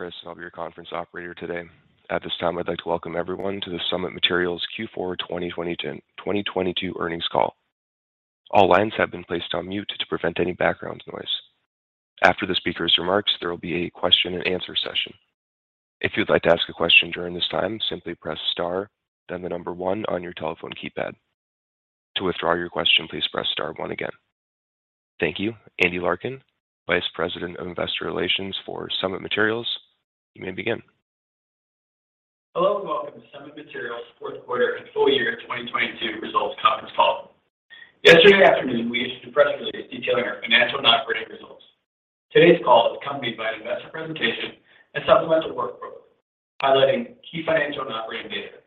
Chris, I'll be your conference operator today. At this time, I'd like to welcome everyone to the Summit Materials' Q4 2022 earnings call. All lines have been placed on mute to prevent any background noise. After the speaker's remarks, there will be a question and answer session. If you'd like to ask a question during this time, simply press star, then the number one on your telephone keypad. To withdraw your question, please press star one again. Thank you. Andy Larkin, Vice President of Investor Relations for Summit Materials. You may begin. Hello and welcome to Summit Materials' fourth quarter and full year 2022 results conference call. Yesterday afternoon, we issued a press release detailing our financial and operating results. Today's call is accompanied by an investor presentation and supplemental workbook highlighting key financial and operating data.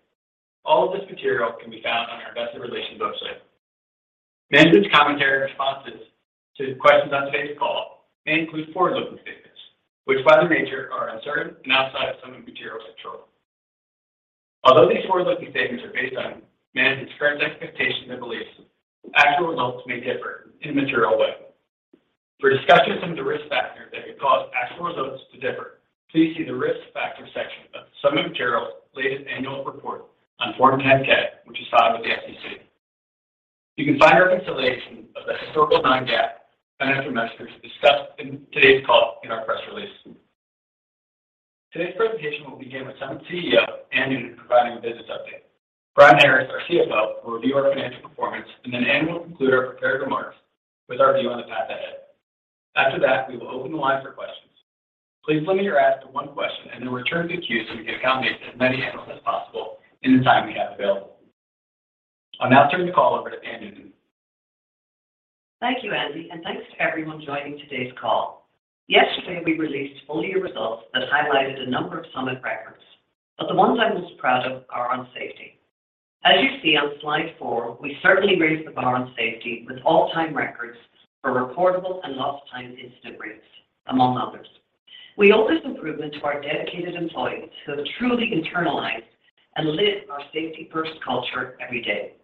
All of this material can be found on our investor relations website. Management's commentary and responses to questions on today's call may include forward-looking statements, which by their nature are uncertain and outside of Summit Materials' control. Although these forward-looking statements are based on management's current expectations and beliefs, actual results may differ in a material way. For a discussion of the risk factors that could cause actual results to differ, please see the Risk Factors section of Summit Materials' latest annual report on Form 10-K, which is filed with the SEC. You can find our reconciliation of the historical non-GAAP financial measures discussed in today's call in our press release. Today's presentation will begin with Summit's CEO, Anne Noonan, providing a business update. Brian Harris, our CFO, will review our financial performance, and then Anne will conclude our prepared remarks with our view on the path ahead. After that, we will open the line for questions. Please limit your ask to one question and then return to the queue so we can accommodate as many analysts as possible in the time we have available. I'll now turn the call over to Anne Noonan. Thank you, Andy, thanks to everyone joining today's call. Yesterday, we released full year results that highlighted a number of Summit records, but the ones I'm most proud of are on safety. As you see on slide 4, we certainly raised the bar on safety with all-time records for reportable and lost time incident rates, among others. We owe this improvement to our dedicated employees who have truly internalized and live our safety-first culture every day.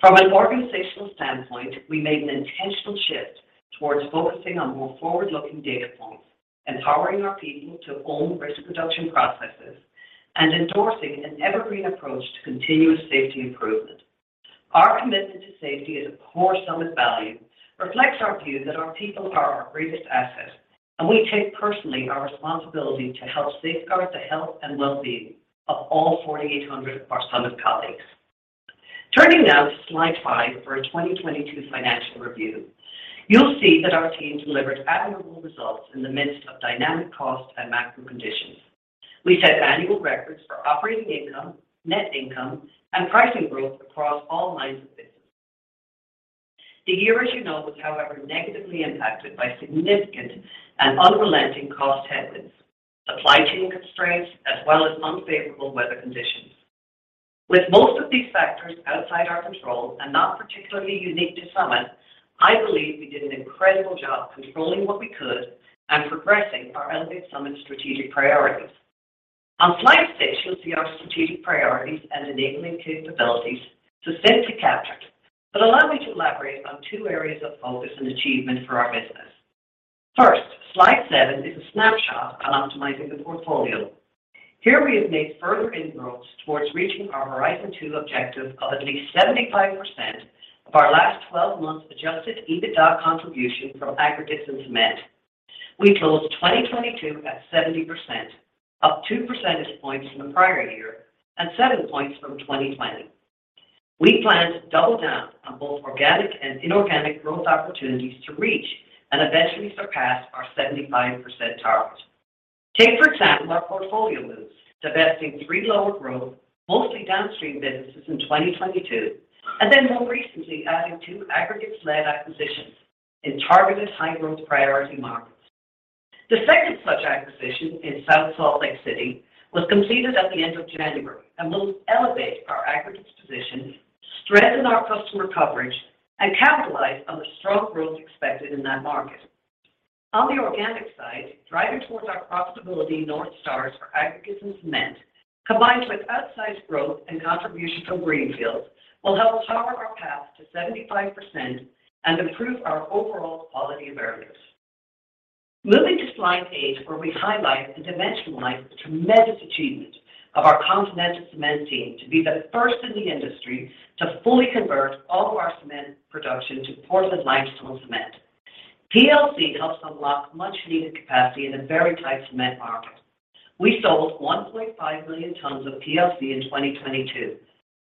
From an organizational standpoint, we made an intentional shift towards focusing on more forward-looking data points, empowering our people to own risk reduction processes, and endorsing an evergreen approach to continuous safety improvement. Our commitment to safety is a core Summit value, reflects our view that our people are our greatest asset, and we take personally our responsibility to help safeguard the health and well-being of all 4,800 of our Summit colleagues. Turning now to slide 5 for our 2022 financial review. You'll see that our team delivered admirable results in the midst of dynamic cost and macro conditions. We set annual records for operating income, net income, and pricing growth across all lines of business. The year, as you know, was however negatively impacted by significant and unrelenting cost headwinds, supply chain constraints, as well as unfavorable weather conditions. With most of these factors outside our control and not particularly unique to Summit, I believe we did an incredible job controlling what we could and progressing our Elevate Summit strategic priorities. On slide 6, you'll see our strategic priorities and enabling capabilities succinctly captured, allow me to elaborate on two areas of focus and achievement for our business. First, slide 7 is a snapshot on optimizing the portfolio. Here we have made further inroads towards reaching our Horizon Two objective of at least 75% of our last twelve months' adjusted EBITDA contribution from aggregates and cement. We closed 2022 at 70%, up two percentage points from the prior year and seven points from 2020. We plan to double down on both organic and inorganic growth opportunities to reach and eventually surpass our 75% target. Take, for example, our portfolio moves, divesting 3 lower growth, mostly downstream businesses in 2022. More recently adding two aggregates-led acquisitions in targeted high-growth priority markets. The second such acquisition in South Salt Lake City was completed at the end of January and will elevate our aggregates position, strengthen our customer coverage, and capitalize on the strong growth expected in that market. On the organic side, driving towards our profitability north stars for aggregates and cement, combined with outsized growth and contributions from greenfields, will help power our path to 75% and improve our overall quality of earnings. Moving to slide 8, where we highlight and dimensionalize the tremendous achievement of our Continental Cement team to be the first in the industry to fully convert all of our cement production to Portland-limestone cement. PLC helps unlock much-needed capacity in a very tight cement market. We sold 1.5 million tons of PLC in 2022,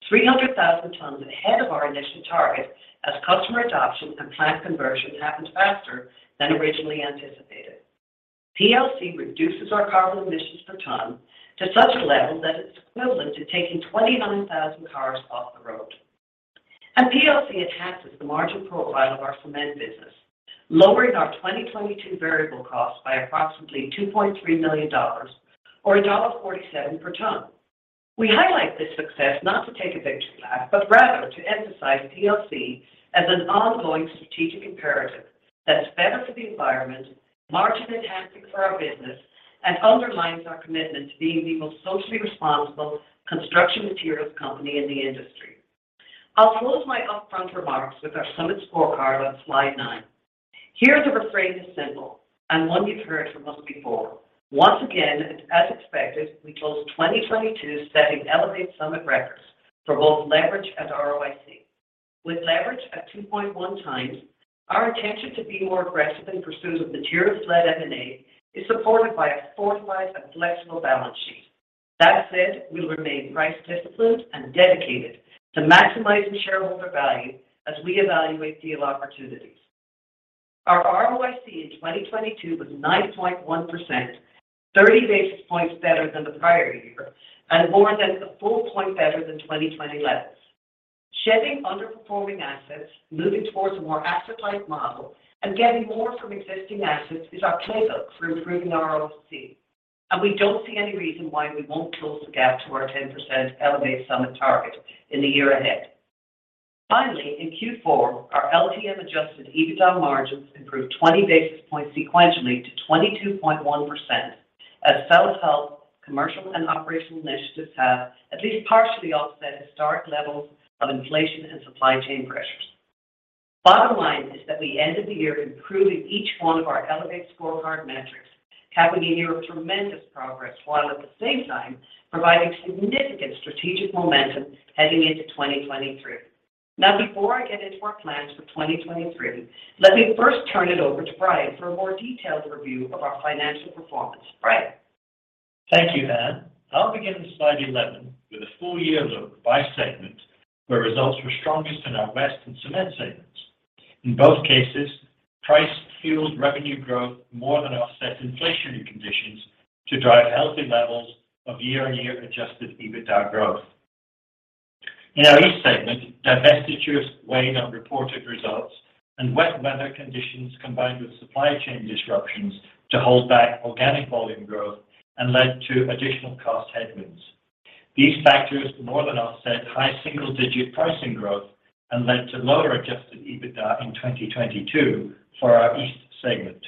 300,000 tons ahead of our initial target as customer adoption and plant conversion happened faster than originally anticipated. PLC reduces our carbon emissions per ton to such a level that it's equivalent to taking 29,000 cars off the road. PLC enhances the margin profile of our cement business, lowering our 2022 variable costs by approximately $2.3 million or $1.47 per ton. We highlight this success not to take a victory lap, but rather to emphasize PLC as an ongoing strategic imperative that is better for the environment, margin-enhancing for our business, and underlines our commitment to being the most socially responsible construction materials company in the industry. I'll close my upfront remarks with our Summit scorecard on slide 9. Here, the refrain is simple, one you've heard from us before. Once again, as expected, we closed 2022 setting Elevate Summit records for both leverage and ROIC. With leverage at 2.1 times, our intention to be more aggressive in pursuit of material-led M&A is supported by a fortified and flexible balance sheet. That said, we will remain price disciplined and dedicated to maximizing shareholder value as we evaluate deal opportunities. Our ROIC in 2022 was 9.1%, 30 basis points better than the prior year, and more than a full point better than 2020 levels. Shedding underperforming assets, moving towards a more asset-light model, and getting more from existing assets is our playbook for improving ROIC, and we don't see any reason why we won't close the gap to our 10% Elevate Summit target in the year ahead. Finally, in Q4, our LTM-adjusted EBITDA margins improved 20 basis points sequentially to 22.1% as sales help, commercial and operational initiatives have at least partially offset historic levels of inflation and supply chain pressures. Bottom line is that we ended the year improving each one of our Elevate scorecard metrics, capping a year of tremendous progress while at the same time providing significant strategic momentum heading into 2023. Before I get into our plans for 2023, let me first turn it over to Brian for a more detailed review of our financial performance. Brian. Thank you, Anne. I'll begin on slide 11 with a full year look by segment, where results were strongest in our West and Cement segments. In both cases, price-fueled revenue growth more than offset inflationary conditions to drive healthy levels of year-on-year adjusted EBITDA growth. In our East segment, divestitures weighing on reported results and wet weather conditions combined with supply chain disruptions to hold back organic volume growth and led to additional cost headwinds. These factors more than offset high single-digit pricing growth and led to lower adjusted EBITDA in 2022 for our East segment.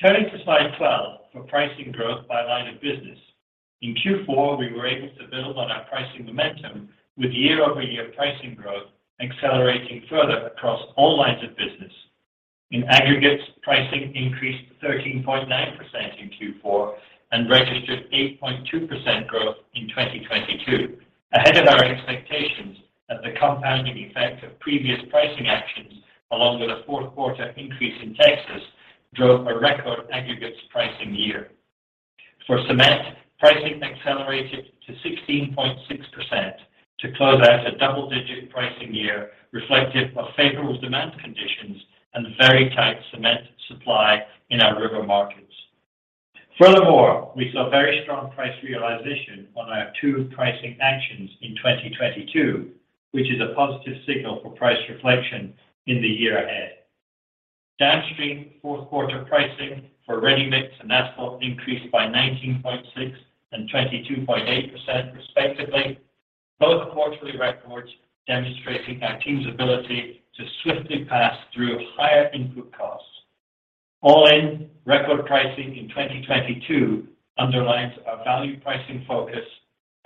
Turning to slide 12 for pricing growth by line of business. In Q4, we were able to build on our pricing momentum with year-over-year pricing growth accelerating further across all lines of business. In aggregates, pricing increased 13.9% in Q4 and registered 8.2% growth in 2022. Ahead of our expectations that the compounding effect of previous pricing actions, along with a fourth quarter increase in Texas, drove a record aggregates pricing year. For cement, pricing accelerated to 16.6% to close out a double-digit pricing year reflective of favorable demand conditions and very tight cement supply in our river markets. We saw very strong price realization on our two pricing actions in 2022, which is a positive signal for price reflection in the year ahead. Downstream fourth quarter pricing for ready-mix and asphalt increased by 19.6% and 22.8% respectively, both quarterly records demonstrating our team's ability to swiftly pass through higher input costs. All in, record pricing in 2022 underlines our value pricing focus,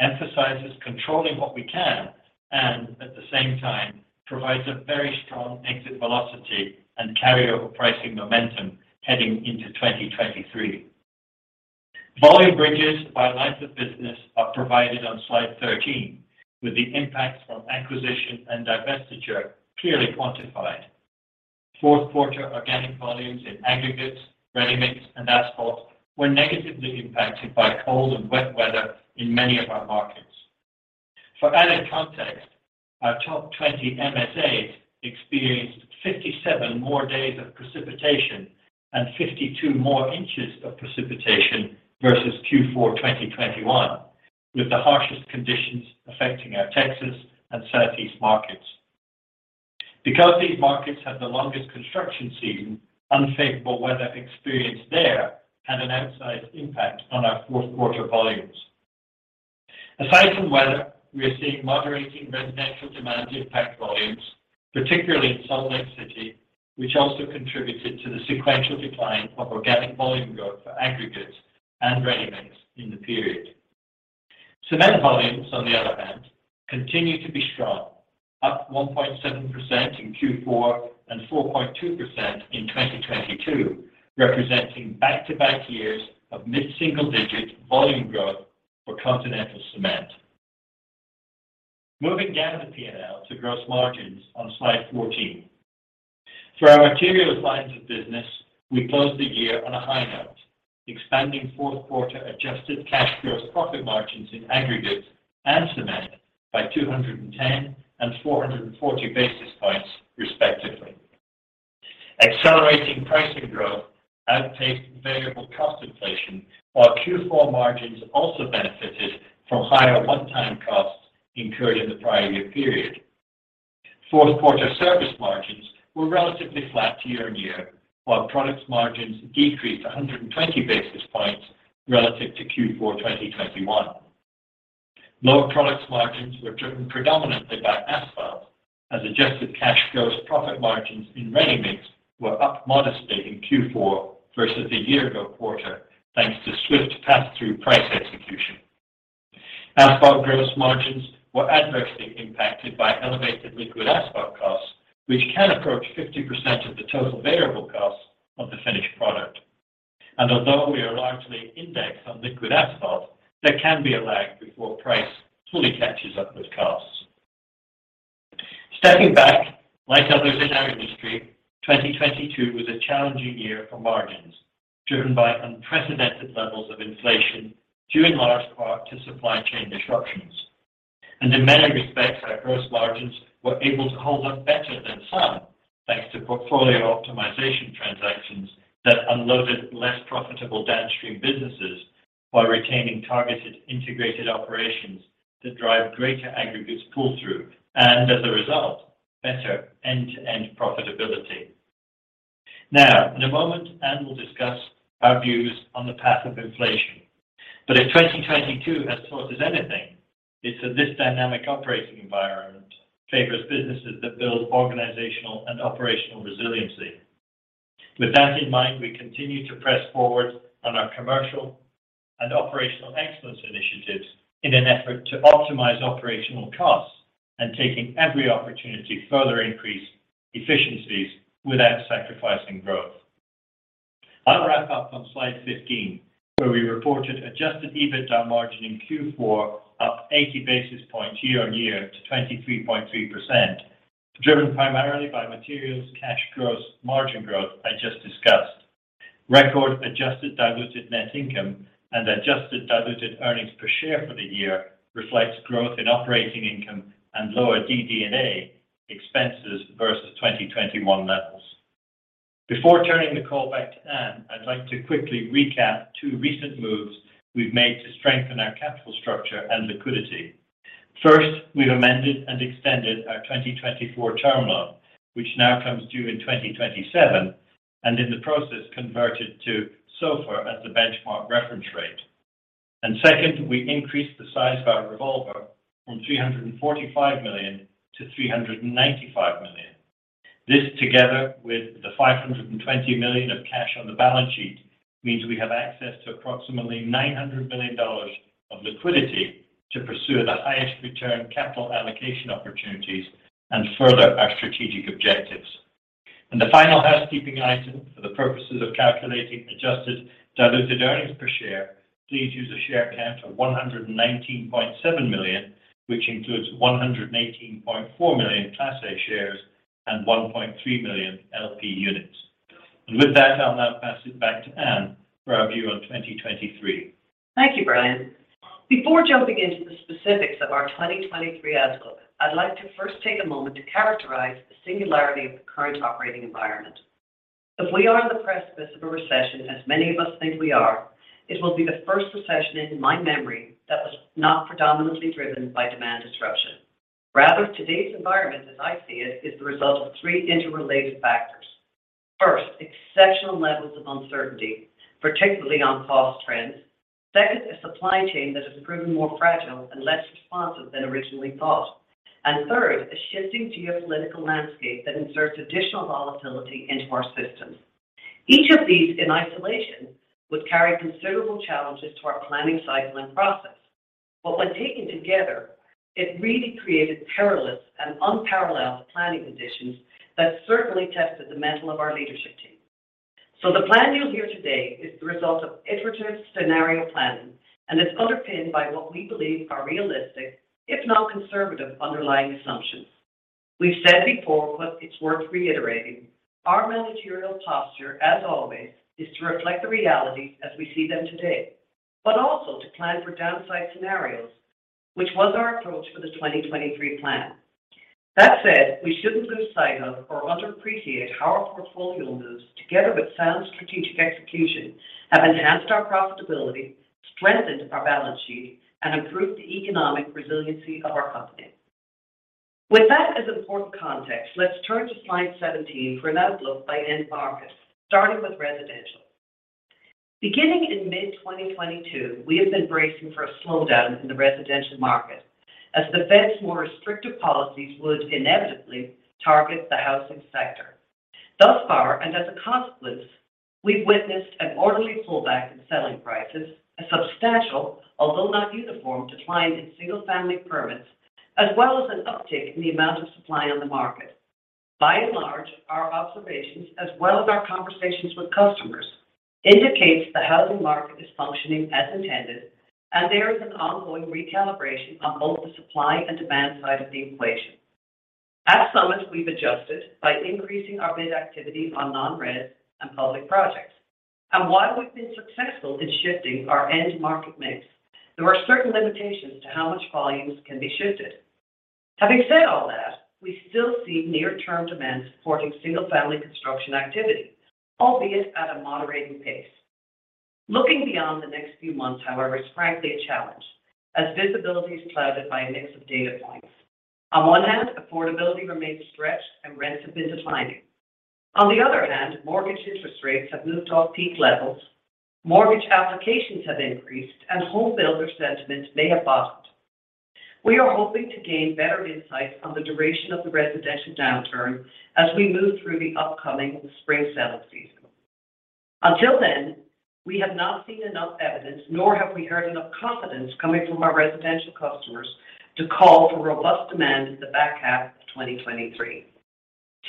emphasizes controlling what we can, and at the same time, provides a very strong exit velocity and carryover pricing momentum heading into 2023. Volume bridges by lines of business are provided on slide 13, with the impacts from acquisition and divestiture clearly quantified. Fourth quarter organic volumes in aggregates, ready-mix, and asphalt were negatively impacted by cold and wet weather in many of our markets. For added context, our top 20 MSAs experienced 57 more days of precipitation and 52 more inches of precipitation versus Q4 2021, with the harshest conditions affecting our Texas and Southeast markets. Because these markets have the longest construction season, unfavorable weather experienced there had an outsized impact on our fourth quarter volumes. Aside from weather, we are seeing moderating residential demand impact volumes, particularly in Salt Lake City, which also contributed to the sequential decline of organic volume growth for aggregates and ready-mix in the period. Cement volumes, on the other hand, continue to be strong, up 1.7% in Q4 and 4.2% in 2022, representing back-to-back years of mid-single digit volume growth for Continental Cement. Moving down the P&L to gross margins on slide 14. For our materials lines of business, we closed the year on a high note, expanding fourth quarter adjusted cash gross profit margins in aggregates and cement by 210 and 440 basis points respectively. Accelerating pricing growth outpaced variable cost inflation, while Q4 margins also benefited from higher one-time costs incurred in the prior year period. Fourth quarter service margins were relatively flat year-on-year, while products margins decreased 120 basis points relative to Q4, 2021. Lower products margins were driven predominantly by asphalt. As adjusted cash gross profit margins in ready-mix were up modestly in Q4 versus the year ago quarter, thanks to swift pass-through price execution. Asphalt gross margins were adversely impacted by elevated liquid asphalt costs, which can approach 50% of the total variable costs of the finished product. Although we are largely indexed on liquid asphalt, there can be a lag before price fully catches up with costs. Stepping back, like others in our industry, 2022 was a challenging year for margins, driven by unprecedented levels of inflation due in large part to supply chain disruptions. In many respects, our gross margins were able to hold up better than some, thanks to portfolio optimization transactions that unloaded less profitable downstream businesses while retaining targeted integrated operations that drive greater aggregates pull-through, and as a result, better end-to-end profitability. In a moment, Anne will discuss our views on the path of inflation. If 2022 has taught us anything, it's that this dynamic operating environment favors businesses that build organizational and operational resiliency. With that in mind, we continue to press forward on our commercial and operational excellence initiatives in an effort to optimize operational costs and taking every opportunity to further increase efficiencies without sacrificing growth. I'll wrap up on slide 15, where we reported adjusted EBITDA margin in Q4 up 80 basis points year-over-year to 23.3%, driven primarily by materials cash gross margin growth I just discussed. Record adjusted diluted net income and adjusted diluted earnings per share for the year reflects growth in operating income and lower DD&A expenses versus 2021 levels. Before turning the call back to Anne, I'd like to quickly recap two recent moves we've made to strengthen our capital structure and liquidity. First, we've amended and extended our 2024 term loan, which now comes due in 2027, and in the process converted to SOFR as the benchmark reference rate. Second, we increased the size of our revolver from $345 million to $395 million. This, together with the $520 million of cash on the balance sheet, means we have access to approximately $900 million of liquidity to pursue the highest return capital allocation opportunities and further our strategic objectives. The final housekeeping item for the purposes of calculating adjusted diluted earnings per share, please use a share count of 119.7 million, which includes 118.4 million Class A shares and 1.3 million LP units. With that, I'll now pass it back to Anne for our view on 2023. Thank you, Brian. Before jumping into the specifics of our 2023 outlook, I'd like to first take a moment to characterize the singularity of the current operating environment. If we are on the precipice of a recession, as many of us think we are, it will be the first recession in my memory that was not predominantly driven by demand disruption. Rather, today's environment, as I see it, is the result of three interrelated factors. First, exceptional levels of uncertainty, particularly on cost trends. Second, a supply chain that has proven more fragile and less responsive than originally thought. Third, a shifting geopolitical landscape that inserts additional volatility into our systems. Each of these in isolation would carry considerable challenges to our planning cycle and process. When taken together, it really created perilous and unparalleled planning conditions that certainly tested the mettle of our leadership team. The plan you'll hear today is the result of iterative scenario planning, and it's underpinned by what we believe are realistic, if not conservative, underlying assumptions. We've said before, but it's worth reiterating, our managerial posture, as always, is to reflect the reality as we see them today, but also to plan for downside scenarios, which was our approach for the 2023 plan. That said, we shouldn't lose sight of or underappreciate how our portfolio moves, together with sound strategic execution, have enhanced our profitability, strengthened our balance sheet, and improved the economic resiliency of our company. With that as important context, let's turn to slide 17 for an outlook by end market, starting with residential. Beginning in mid-2022, we have been bracing for a slowdown in the residential market as the Fed's more restrictive policies would inevitably target the housing sector. Thus far, and as a consequence, we've witnessed an orderly pullback in selling prices, a substantial, although not uniform, decline in single-family permits, as well as an uptick in the amount of supply on the market. By and large, our observations, as well as our conversations with customers, indicates the housing market is functioning as intended, and there is an ongoing recalibration on both the supply and demand side of the equation. At Summit, we've adjusted by increasing our bid activity on non-res and public projects. While we've been successful in shifting our end market mix, there are certain limitations to how much volumes can be shifted. Having said all that, we still see near-term demand supporting single-family construction activity, albeit at a moderating pace. Looking beyond the next few months, however, is frankly a challenge, as visibility is clouded by a mix of data points. One hand, affordability remains stretched and rents have been declining. On the other hand, mortgage interest rates have moved off peak levels, mortgage applications have increased, and home builder sentiment may have bottomed. We are hoping to gain better insight on the duration of the residential downturn as we move through the upcoming spring selling season. Until then, we have not seen enough evidence, nor have we heard enough confidence coming from our residential customers to call for robust demand in the back half of 2023.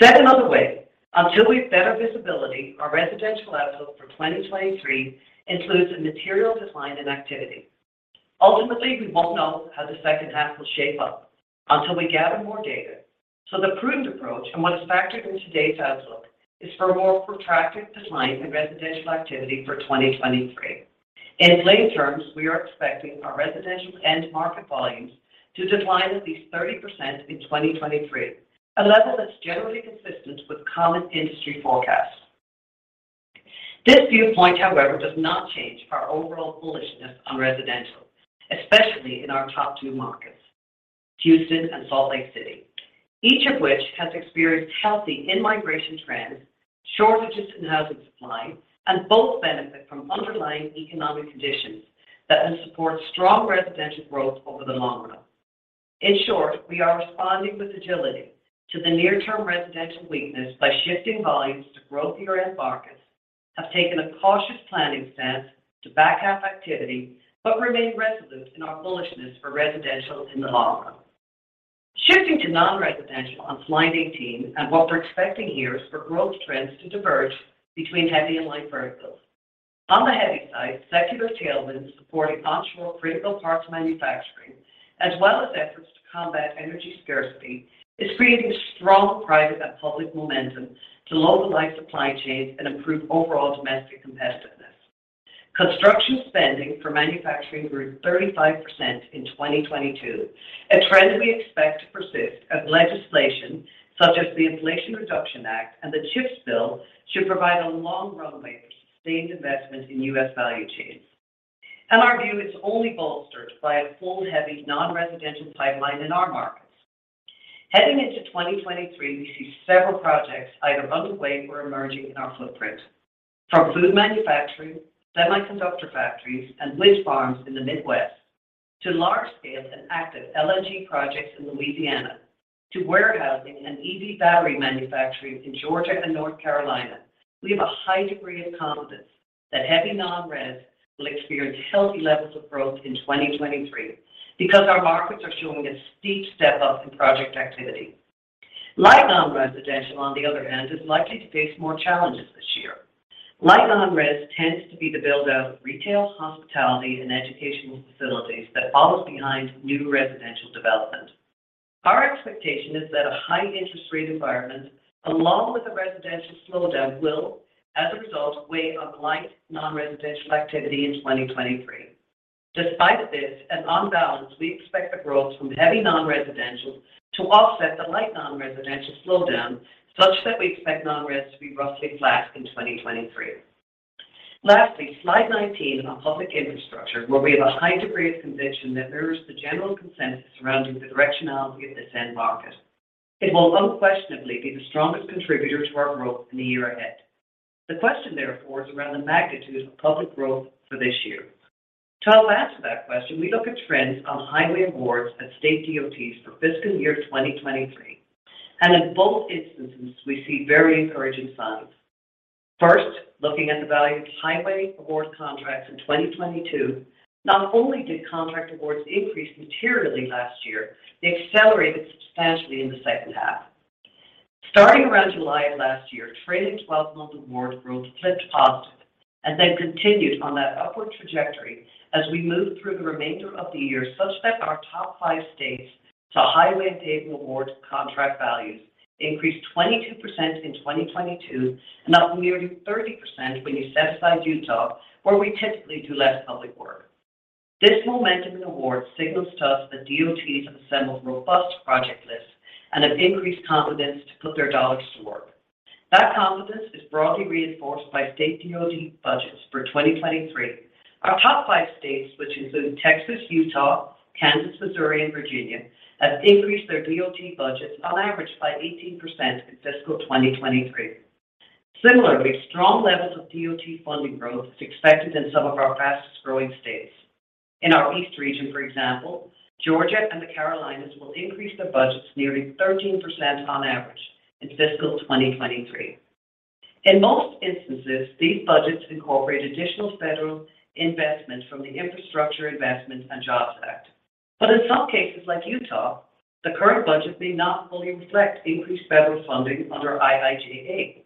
Said another way, until we have better visibility, our residential outlook for 2023 includes a material decline in activity. Ultimately, we won't know how the second half will shape up until we gather more data. The prudent approach, and what is factored in today's outlook, is for a more protracted decline in residential activity for 2023. In lay terms, we are expecting our residential end market volumes to decline at least 30% in 2023, a level that's generally consistent with common industry forecasts. This viewpoint, however, does not change our overall bullishness on residential, especially in our top two markets, Houston and Salt Lake City, each of which has experienced healthy in-migration trends, shortages in housing supply, and both benefit from underlying economic conditions that will support strong residential growth over the long run. In short, we are responding with agility to the near-term residential weakness by shifting volumes to growthier end markets, have taken a cautious planning stance to back half activity, but remain resolute in our bullishness for residential in the long run. Shifting to non-residential on slide 18, what we're expecting here is for growth trends to diverge between heavy and light verticals. On the heavy side, secular tailwinds supporting onshore critical parts manufacturing, as well as efforts to combat energy scarcity, is creating strong private and public momentum to localize supply chains and improve overall domestic competitiveness. Construction spending for manufacturing grew 35% in 2022, a trend we expect to persist as legislation such as the Inflation Reduction Act and the CHIPS bill should provide a long runway for sustained investment in U.S. value chains. Our view is only bolstered by a full, heavy non-residential pipeline in our markets. Heading into 2023, we see several projects either underway or emerging in our footprint. From food manufacturing, semiconductor factories, and wind farms in the Midwest, to large scale and active LNG projects in Louisiana, to warehousing and EV battery manufacturing in Georgia and North Carolina. We have a high degree of confidence that heavy non-res will experience healthy levels of growth in 2023 because our markets are showing a steep step up in project activity. Light non-residential, on the other hand, is likely to face more challenges this year. Light non-res tends to be the build-out of retail, hospitality, and educational facilities that follows behind new residential development. Our expectation is that a high interest rate environment, along with a residential slowdown, will, as a result, weigh on light non-residential activity in 2023. Despite this, on balance, we expect the growth from heavy non-residential to offset the light non-residential slowdown, such that we expect non-res to be roughly flat in 2023. Lastly, slide 19 on public infrastructure, where we have a high degree of conviction that mirrors the general consensus surrounding the directionality of this end market. It will unquestionably be the strongest contributor to our growth in the year ahead. The question, therefore, is around the magnitude of public growth for this year. To help answer that question, we look at trends on highway awards at state DOTs for fiscal year 2023. In both instances, we see very encouraging signs. First, looking at the value of highway award contracts in 2022, not only did contract awards increase materially last year, they accelerated substantially in the second half. Starting around July of last year, trailing 12-month award growth flipped positive. then continued on that upward trajectory as we moved through the remainder of the year, such that our top five states saw highway and pavement awards contract values increase 22% in 2022, and up nearly 30% when you set aside Utah, where we typically do less public work. This momentum in awards signals to us that DOTs have assembled robust project lists and have increased confidence to put their dollars to work. That confidence is broadly reinforced by state DOT budgets for 2023. Our top 5 states, which include Texas, Utah, Kansas, Missouri, and Virginia, have increased their DOT budgets on average by 18% in fiscal 2023. Similarly, strong levels of DOT funding growth is expected in some of our fastest-growing states. In our East region, for example, Georgia and the Carolinas will increase their budgets nearly 13% on average in fiscal 2023. In most instances, these budgets incorporate additional federal investment from the Infrastructure Investment and Jobs Act. But in some cases, like Utah, the current budget may not fully reflect increased federal funding under IIJA.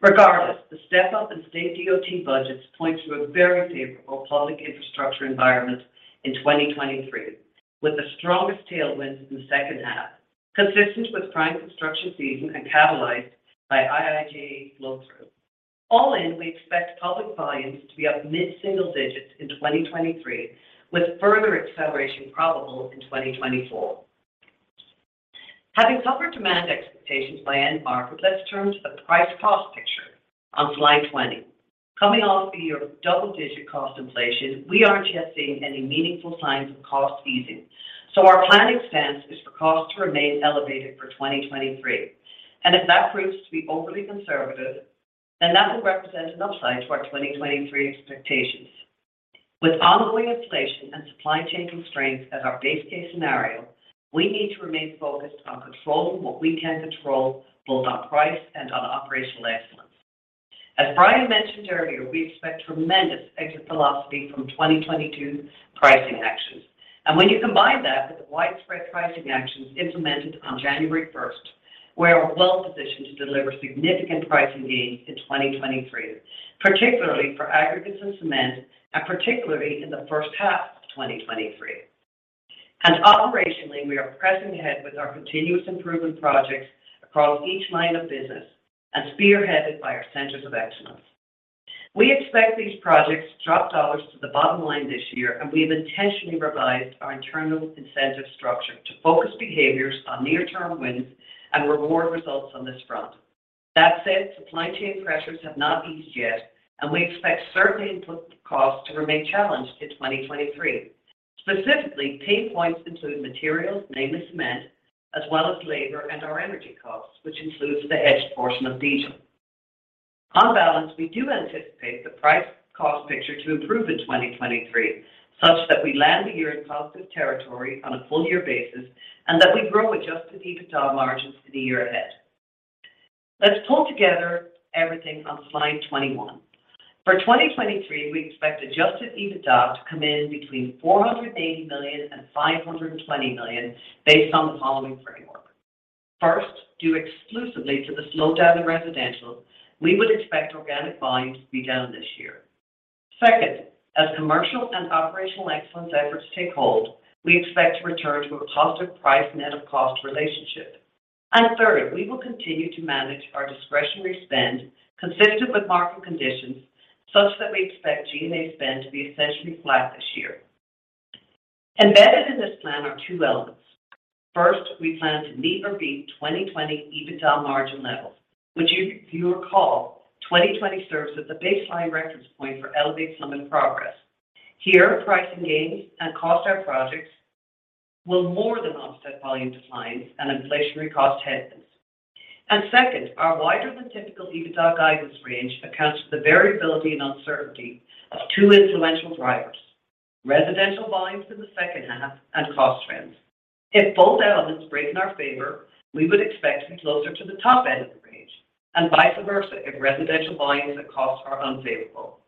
Regardless, the step up in state DOT budgets points to a very favorable public infrastructure environment in 2023, with the strongest tailwinds in the second half, consistent with prime construction season and catalyzed by IIJA flow-through. We expect public volumes to be up mid-single digits in 2023, with further acceleration probable in 2024. Having covered demand expectations by end market, let's turn to the price-cost. On slide 20. Coming off a year of double-digit cost inflation, we aren't yet seeing any meaningful signs of cost easing. Our planning stance is for costs to remain elevated for 2023. If that proves to be overly conservative, then that will represent an upside to our 2023 expectations. With ongoing inflation and supply chain constraints as our base case scenario, we need to remain focused on controlling what we can control, both on price and on operational excellence. As Brian mentioned earlier, we expect tremendous exit velocity from 2022 pricing actions. When you combine that with the widespread pricing actions implemented on January 1, we are well-positioned to deliver significant pricing gains in 2023, particularly for aggregates and cement, and particularly in the first half of 2023. Operationally, we are pressing ahead with our continuous improvement projects across each line of business and spearheaded by our centers of excellence. We expect these projects to drop dollars to the bottom line this year, and we have intentionally revised our internal incentive structure to focus behaviors on near-term wins and reward results on this front. That said, supply chain pressures have not eased yet, and we expect certain input costs to remain challenged in 2023. Specifically, pain points include materials, namely cement, as well as labor and our energy costs, which includes the hedged portion of diesel. On balance, we do anticipate the price-cost picture to improve in 2023 such that we land the year in positive territory on a full year basis, and that we grow adjusted EBITDA margins for the year ahead. Let's pull together everything on slide 21. For 2023, we expect adjusted EBITDA to come in between $480 million and $520 million based on the following framework. First, due exclusively to the slowdown in residential, we would expect organic volumes to be down this year. Second, as commercial and operational excellence efforts take hold, we expect to return to a positive price net of cost relationship. Third, we will continue to manage our discretionary spend consistent with market conditions such that we expect G&A spend to be essentially flat this year. Embedded in this plan are two elements. First, we plan to meet or beat 2020 EBITDA margin levels, which you recall, 2020 serves as the baseline reference point for Elevate Summit progress. Here, pricing gains and cost out projects will more than offset volume declines and inflationary cost headwinds. Second, our wider than typical EBITDA guidance range accounts for the variability and uncertainty of two influential drivers: residential volumes in the second half and cost trends. If both elements break in our favor, we would expect to be closer to the top end of the range, vice versa if residential volumes and costs are unfavorable.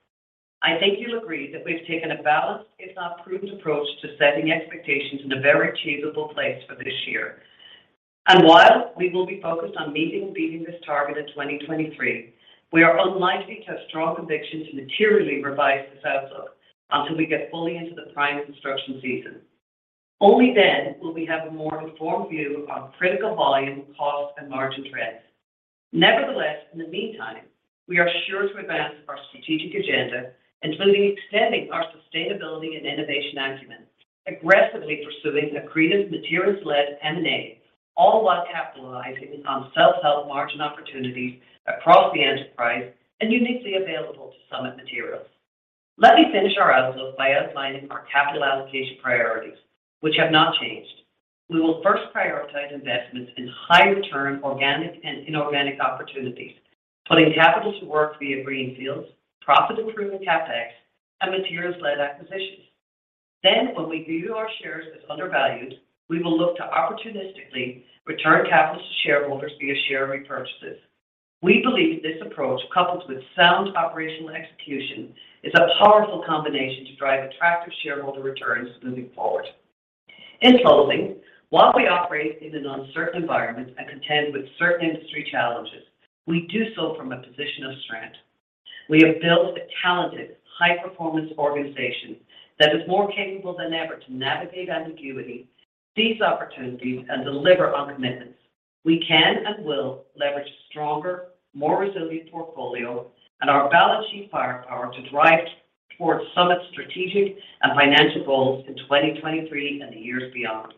I think you'll agree that we've taken a balanced, if not prudent approach to setting expectations in a very achievable place for this year. While we will be focused on meeting and beating this target in 2023, we are unlikely to have strong conviction to materially revise this outlook until we get fully into the prime construction season. Only then will we have a more informed view on critical volume, cost, and margin trends. Nevertheless, in the meantime, we are sure to advance our strategic agenda, including extending our sustainability and innovation acumen, aggressively pursuing accretive materials-led M&A, all while capitalizing on self-help margin opportunities across the enterprise and uniquely available to Summit Materials. Let me finish our outlook by outlining our capital allocation priorities, which have not changed. We will first prioritize investments in high return organic and inorganic opportunities, putting capital to work via greenfields, profit improvement CapEx, and materials-led acquisitions. When we view our shares as undervalued, we will look to opportunistically return capital to shareholders via share repurchases. We believe this approach, coupled with sound operational execution, is a powerful combination to drive attractive shareholder returns moving forward. In closing, while we operate in an uncertain environment and contend with certain industry challenges, we do so from a position of strength. We have built a talented, high-performance organization that is more capable than ever to navigate ambiguity, seize opportunities, and deliver on commitments. We can and will leverage a stronger, more resilient portfolio and our balance sheet firepower to drive towards Summit's strategic and financial goals in 2023 and the years beyond.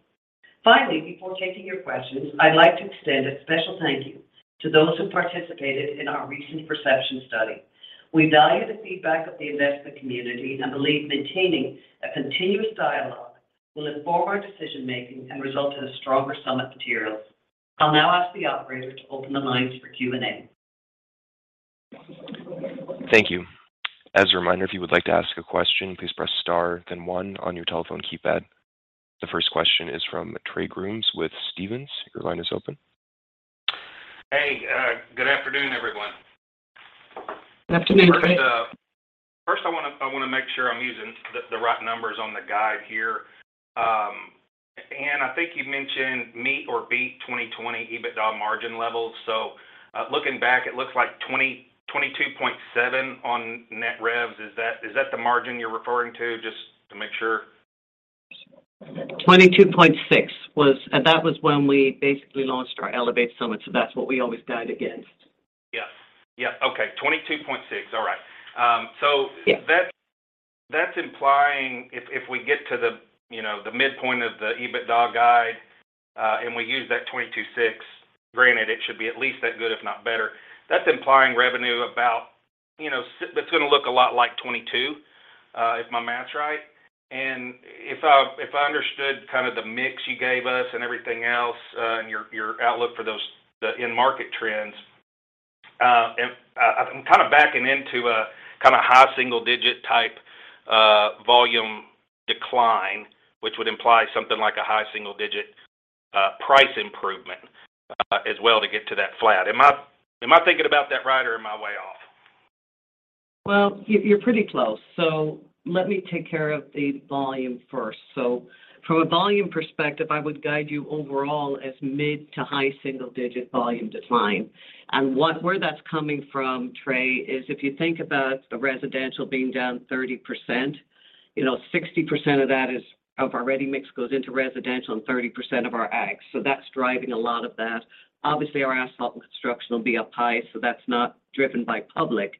Before taking your questions, I'd like to extend a special thank you to those who participated in our recent perception study. We value the feedback of the investment community and believe maintaining a continuous dialogue will inform our decision-making and result in a stronger Summit Materials. I'll now ask the operator to open the lines for Q&A. Thank you. As a reminder, if you would like to ask a question, please press star then one on your telephone keypad. The first question is from Trey Grooms with Stephens. Your line is open. Hey, good afternoon, everyone. Good afternoon, Trey. First I want to make sure I'm using the right numbers on the guide here. Anne, I think you mentioned meet or beat 2020 EBITDA margin levels. Looking back, it looks like 22.7% on net revs. Is that the margin you're referring to? Just to make sure. 22.6 was. That was when we basically launched our Elevate Summit, so that's what we always guide against. Yes. Yeah. Okay. 22.6. All right. Yeah. That's implying if we get to the, you know, the midpoint of the EBITDA guide, and we use that 22.6, granted it should be at least that good if not better. That's implying revenue about, you know, that's going to look a lot like 2022, if my math's right. If I understood kind of the mix you gave us and everything else, and your outlook for the end market trends, I'm kind of backing into a kind od high single digit type volume decline, which would imply something like a high single digit price improvement as well to get to that flat. Am I thinking about that right or am I way off? Well, you're pretty close, so let me take care of the volume first. From a volume perspective, I would guide you overall as mid to high single digit volume decline. Where that's coming from, Trey, is if you think about the residential being down 30%, you know, 60% of that is of our ready-mix goes into residential and 30% of our aggregates. That's driving a lot of that. Obviously, our asphalt and construction will be up high, so that's not driven by public.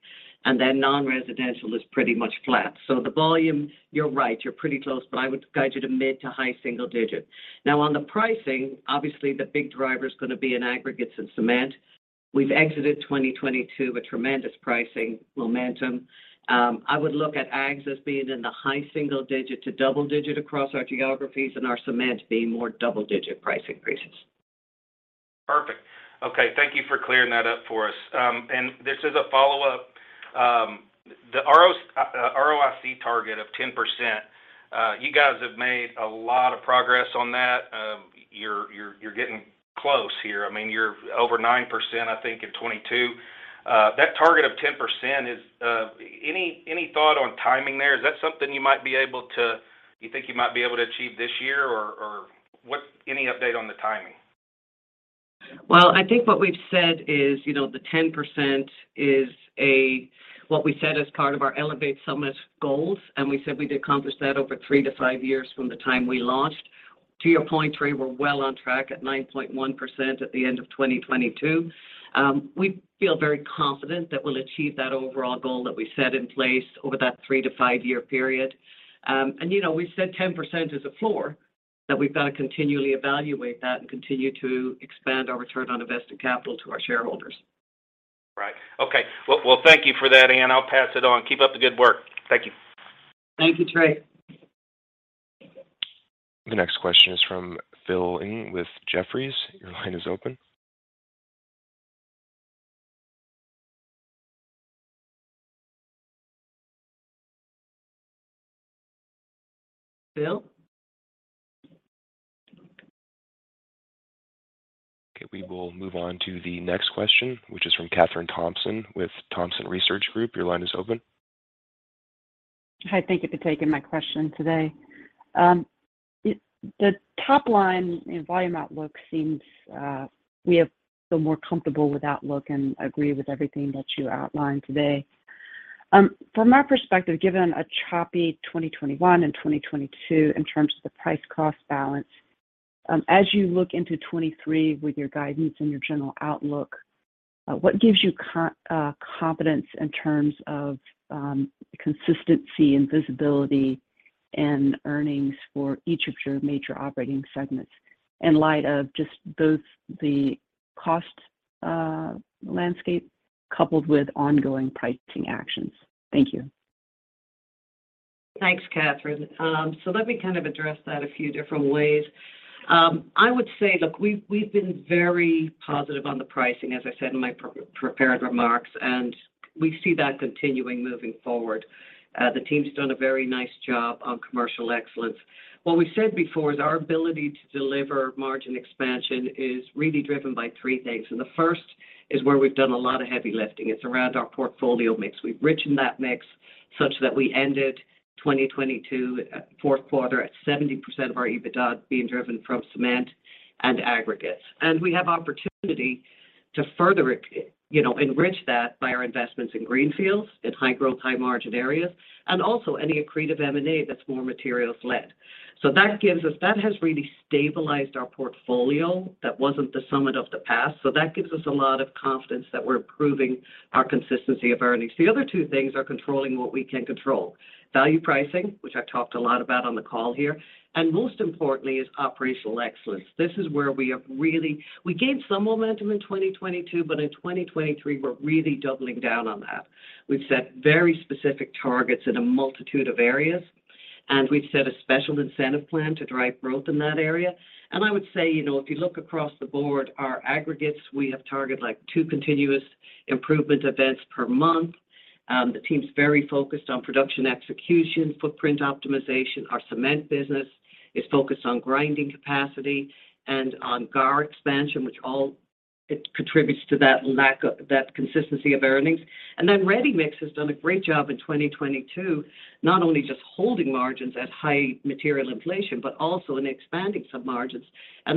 Non-residential is pretty much flat. The volume, you're right, you're pretty close, but I would guide you to mid to high single digit. Now on the pricing, obviously the big driver is going to be in aggregates and cement. We've exited 2022 with tremendous pricing momentum. I would look at aggregates as being in the high single-digit to double-digit across our geographies and our cement being more double-digit price increases. Perfect. Okay, thank you for clearing that up for us. This is a follow-up. The ROIC target of 10%, you guys have made a lot of progress on that. You're getting close here. I mean, you're over 9%, I think, in 2022. That target of 10% is any thought on timing there? Is that something you think you might be able to achieve this year or what's any update on the timing? Well, I think what we've said is, you know, the 10% is a what we said as part of our Elevate Summit goals, and we said we'd accomplish that over 3-5 years from the time we launched. To your point, Trey, we're well on track at 9.1% at the end of 2022. We feel very confident that we'll achieve that overall goal that we set in place over that 3-5 year period. You know, we've said 10% is a floor, that we've got to continually evaluate that and continue to expand our return on invested capital to our shareholders. Right. Okay. Well, well thank you for that, Anne. I'll pass it on. Keep up the good work. Thank you. Thank you, Trey. The next question is from Philip Ng with Jefferies. Your line is open. Phil? Okay, we will move on to the next question, which is from Kathryn Thompson with Thompson Research Group. Your line is open. Hi, thank you for taking my question today. The top line in volume outlook seems, we feel more comfortable with outlook and agree with everything that you outlined today. From our perspective, given a choppy 2021 and 2022 in terms of the price cost balance, as you look into 2023 with your guidance and your general outlook, what gives you confidence in terms of consistency and visibility and earnings for each of your major operating segments in light of just both the cost landscape coupled with ongoing pricing actions? Thank you. Thanks, Kathryn. Let me kind of address that a few different ways. I would say, look, we've been very positive on the pricing, as I said in my prepared remarks, we see that continuing moving forward. The team's done a very nice job on commercial excellence. What we said before is our ability to deliver margin expansion is really driven by three things, the first is where we've done a lot of heavy lifting. It's around our portfolio mix. We've richened that mix such that we ended 2022, fourth quarter at 70% of our EBITDA being driven from cement and aggregates. We have opportunity to further, you know, enrich that by our investments in greenfields, in high growth, high margin areas, and also any accretive M&A that's more materials led. That has really stabilized our portfolio. That wasn't the Summit of the past. That gives us a lot of confidence that we're improving our consistency of earnings. The other two things are controlling what we can control. Value pricing, which I've talked a lot about on the call here, and most importantly is operational excellence. This is where we have really gained some momentum in 2022, but in 2023, we're really doubling down on that. We've set very specific targets in a multitude of areas, and we've set a special incentive plan to drive growth in that area. I would say, you know, if you look across the board, our aggregates, we have targeted, like, two continuous improvement events per month. The team's very focused on production execution, footprint optimization. Our cement business is focused on grinding capacity and on GAR expansion, which it contributes to that consistency of earnings. Ready-mix has done a great job in 2022, not only just holding margins at high material inflation, but also in expanding some margins.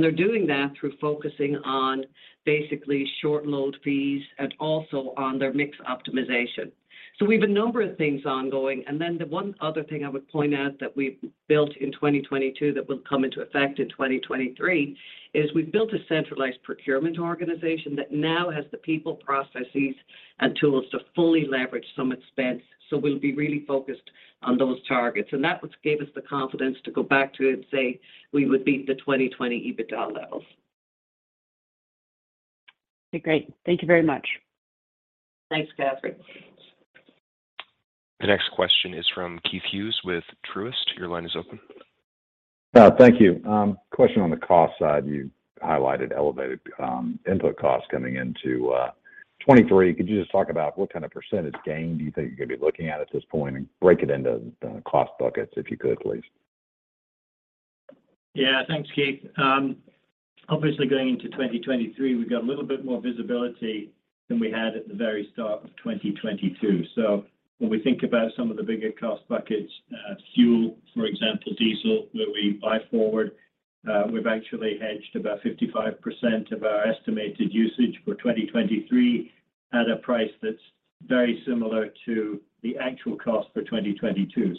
They're doing that through focusing on basically short load fees and also on their mix optimization. We have a number of things ongoing. The one other thing I would point out that we've built in 2022 that will come into effect in 2023, is we've built a centralized procurement organization that now has the people, processes, and tools to fully leverage some expense. We'll be really focused on those targets. That gave us the confidence to go back to it and say we would beat the 2020 EBITDA levels. Okay, great. Thank you very much. Thanks, Kathryn. The next question is from Keith Hughes with Truist. Your line is open. Thank you. Question on the cost side, you highlighted elevated input costs coming into 2023. Could you just talk about what kind of percentage gain do you think you're going to be looking at this point? Break it into the cost buckets, if you could, please. Yeah, thanks, Keith. Obviously going into 2023, we've got a little bit more visibility than we had at the very start of 2022. When we think about some of the bigger cost buckets, fuel, for example, diesel, where we buy forward, we've actually hedged about 55% of our estimated usage for 2023 at a price that's very similar to the actual cost for 2022.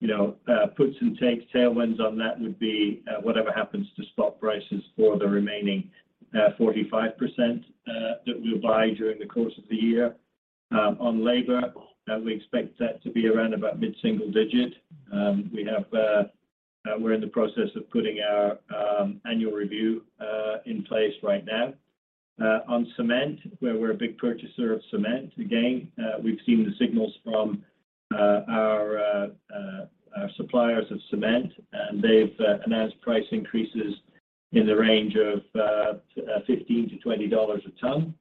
You know, puts and takes, tailwinds on that would be whatever happens to stock prices for the remaining 45% that we'll buy during the course of the year. On labor, we expect that to be around about mid-single digit. We have, we're in the process of putting our annual review in place right now. On cement, where we're a big purchaser of cement, again, we've seen the signals from our suppliers of cement, and they've announced price increases in the range of $15-$20 a ton.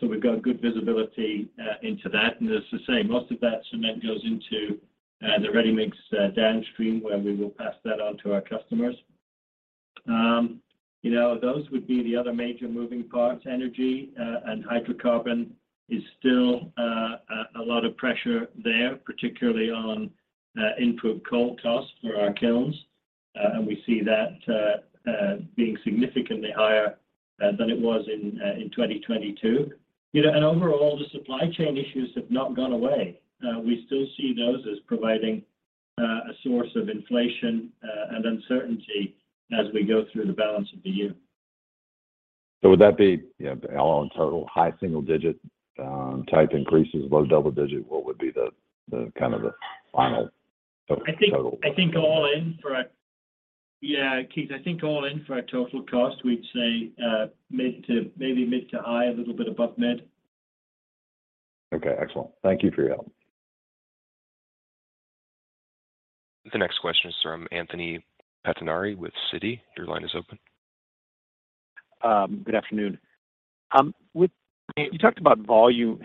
We've got good visibility into that. As I say, most of that cement goes into the ready-mix downstream, where we will pass that on to our customers. You know, those would be the other major moving parts. Energy and hydrocarbon is still a lot of pressure there, particularly on input coal costs for our kilns. We see that being significantly higher than it was in 2022. You know, overall, the supply chain issues have not gone away. We still see those as providing a source of inflation and uncertainty as we go through the balance of the year. Would that be, you know, all in total, high single digit type increases, low double digit? What would be the kind of the final total? I think all in. Yeah, Keith, I think all in for a total cost, we'd say, mid to maybe mid to high, a little bit above mid. Okay, excellent. Thank you for your help. The next question is from Anthony Pettinari with Citi. Your line is open. Good afternoon. You talked about volume,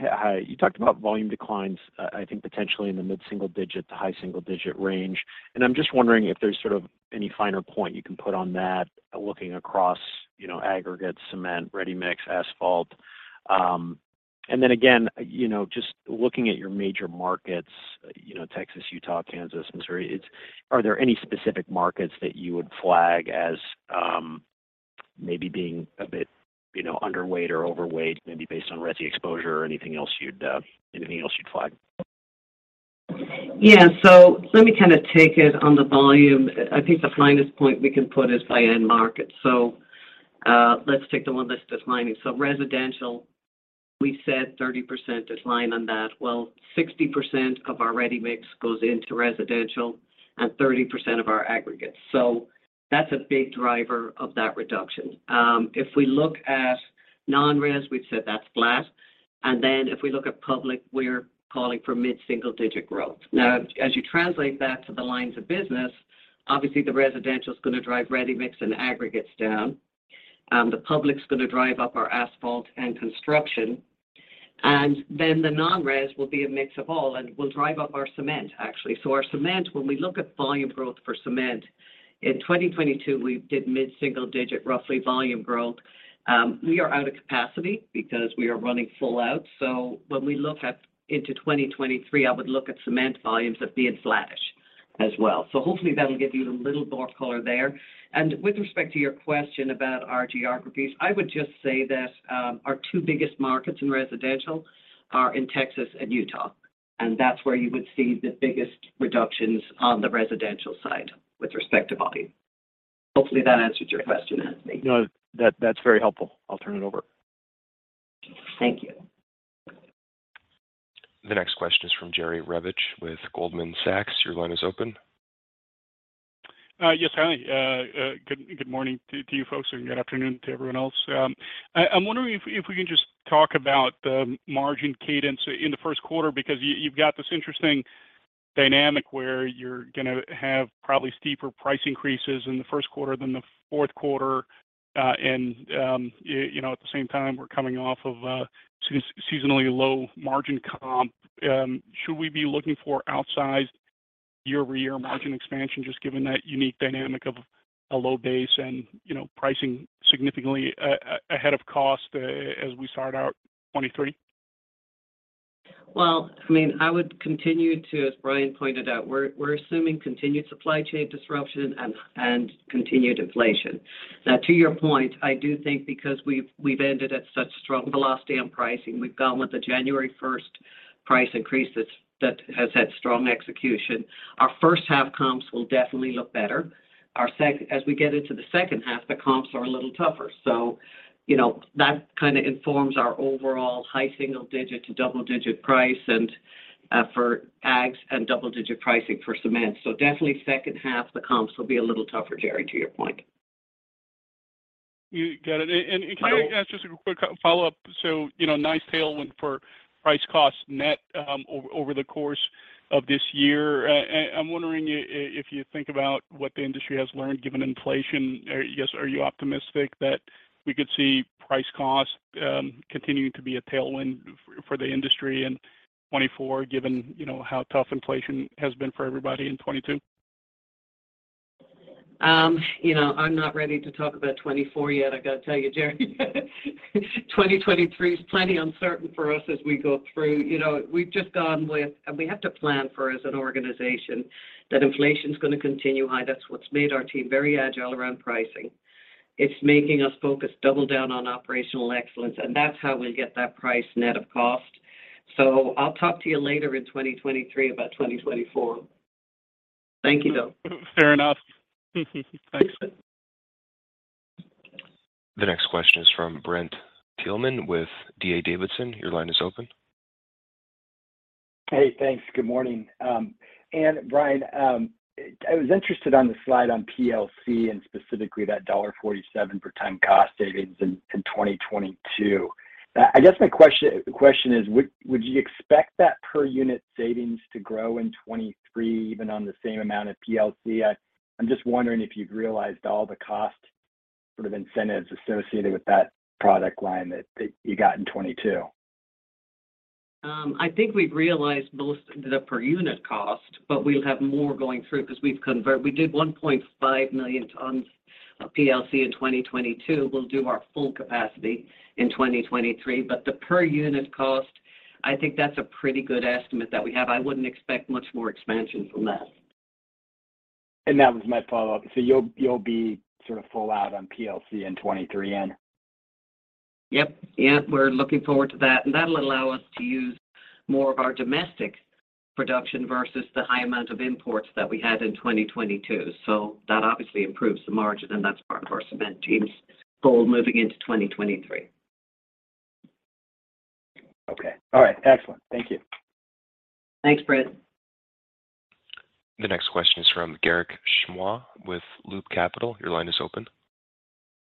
you talked about volume declines, I think potentially in the mid-single digit to high single digit range, and I'm just wondering if there's sort of any finer point you can put on that looking across, you know, aggregate, cement, ready-mix, asphalt? Then again, you know, just looking at your major markets, you know, Texas, Utah, Kansas, Missouri, are there any specific markets that you would flag as, maybe being a bit, you know, underweight or overweight, maybe based on resi exposure or anything else you'd, anything else you'd flag? Let me kind of take it on the volume. I think the finest point we can put is by end market. Let's take the one that's declining. Residential, we said 30% decline on that. 60% of our ready-mix goes into residential and 30% of our aggregates. That's a big driver of that reduction. If we look at non-res, we've said that's flat. If we look at public, we're calling for mid-single digit growth. Now, as you translate that to the lines of business, obviously the residential is going to drive ready-mix and aggregates down. The public's going to drive up our asphalt and construction. The non-res will be a mix of all and will drive up our cement, actually. Our cement, when we look at volume growth for cement, in 2022, we did mid-single digit, roughly, volume growth. We are out of capacity because we are running full out. When we look into 2023, I would look at cement volumes of being flattish as well. Hopefully that'll give you a little more color there. With respect to your question about our geographies, I would just say that our two biggest markets in residential are in Texas and Utah, and that's where you would see the biggest reductions on the residential side with respect to volume. Hopefully that answers your question, Anthony. No, that's very helpful. I'll turn it over. Thank you. The next question is from Jerry Revich with Goldman Sachs. Your line is open. Yes, hi. Good morning to you folks, and good afternoon to everyone else. I'm wondering if we can just talk about the margin cadence in the first quarter, because you've got this interesting dynamic where you're going to have probably steeper price increases in the first quarter than the fourth quarter. You know, at the same time, we're coming off of a seasonally low margin comp. Should we be looking for outsized year-over-year margin expansion, just given that unique dynamic of a low base and, you know, pricing significantly ahead of cost as we start out 23? Well, I mean, I would continue to, as Brian pointed out, we're assuming continued supply chain disruption and continued inflation. Now, to your point, I do think because we've ended at such strong velocity on pricing, we've gone with the January 1. Price increase that has had strong execution. Our first half comps will definitely look better. As we get into the second half, the comps are a little tougher. You know, that kind of informs our overall high single digit to double-digit price and for aggs and double-digit pricing for cement. Definitely second half, the comps will be a little tougher, Jerry, to your point. You got it. Can I ask just a quick follow-up? You know, nice tailwind for price cost net over the course of this year. I'm wondering if you think about what the industry has learned given inflation, are you optimistic that we could see price cost continuing to be a tailwind for the industry in 2024 given, you know, how tough inflation has been for everybody in 2022? You know, I'm not ready to talk about 2024 yet, I've got to tell you, Jerry. 2023 is plenty uncertain for us as we go through. You know, we've just gone with, and we have to plan for as an organization, that inflation's going to continue high. That's what's made our team very agile around pricing. It's making us focus double down on operational excellence, and that's how we get that price net of cost. I'll talk to you later in 2023 about 2024. Thank you, though. Fair enough. Thanks. The next question is from Brent Thielman with D.A. Davidson. Your line is open. Hey, thanks. Good morning. Anne, Brian, I was interested on the slide on PLC and specifically that $1.47 per ton cost savings in 2022. I guess my question is, would you expect that per unit savings to grow in 2023 even on the same amount of PLC? I'm just wondering if you've realized all the cost sort of incentives associated with that product line that you got in 22. I think we've realized most of the per unit cost, but we'll have more going through because we did 1.5 million tons of PLC in 2022. We'll do our full capacity in 2023. The per unit cost, I think that's a pretty good estimate that we have. I wouldn't expect much more expansion from that. That was my follow-up. You'll be sort of full out on PLC in 2023, Anne? Yep. Yeah. We're looking forward to that. That'll allow us to use more of our domestic production versus the high amount of imports that we had in 2022. That obviously improves the margin, and that's part of our cement team's goal moving into 2023. Okay. All right. Excellent. Thank you. Thanks, Brent. The next question is from Garik Shmois with Loop Capital. Your line is open.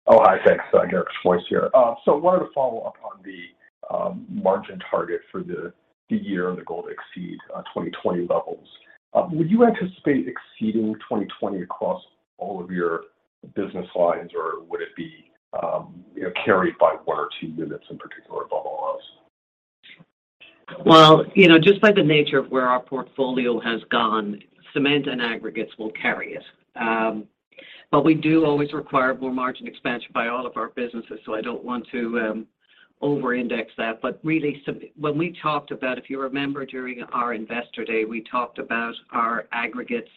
Oh, hi. Thanks. Garik Shmois here. Wanted to follow up on the margin target for the year and the goal to exceed 2020 levels. Would you anticipate exceeding 2020 across all of your business lines, or would it be, you know, carried by one or two units in particular above all else? Well, you know, just by the nature of where our portfolio has gone, cement and aggregates will carry it. We do always require more margin expansion by all of our businesses, so I don't want to over-index that. Really when we talked about, if you remember during our investor day, we talked about our aggregates